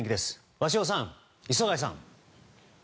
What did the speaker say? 鷲尾さん、磯貝さん。